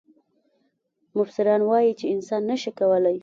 مفسران وايي چې انسان نه شي کولای.